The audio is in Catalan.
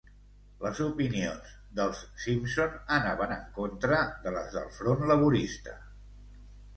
Les opinions dels Simpson anaven en contra de les del front laborista.